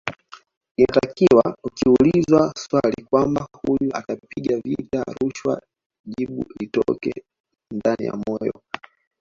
Inatakiwa ukiulizwa swali kwamba huyu atapiga vita rushwa jibu litoke ndani ya moyo